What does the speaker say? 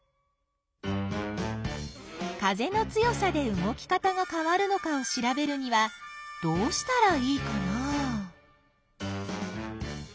風の強さで動き方がかわるのかをしらべるにはどうしたらいいかな？